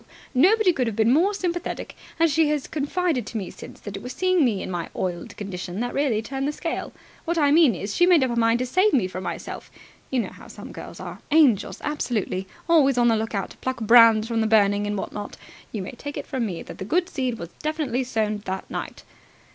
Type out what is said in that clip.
Nobody could have been more sympathetic. And she has confided to me since that it was seeing me in my oiled condition that really turned the scale. What I mean is, she made up her mind to save me from myself. You know how some girls are. Angels absolutely! Always on the look out to pluck brands from the burning, and what not. You may take it from me that the good seed was definitely sown that night."